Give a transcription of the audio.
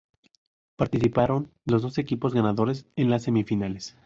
Participaron los dos equipos ganadores en las semifinales.